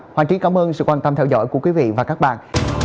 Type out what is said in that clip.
hoàng trí cảm ơn sự quan tâm theo dõi của quý vị và các bạn